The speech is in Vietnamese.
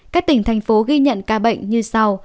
các tỉnh thành phố ghi nhận ca bệnh như sau